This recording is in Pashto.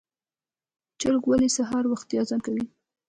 چرګ ولې سهار وختي اذان کوي؟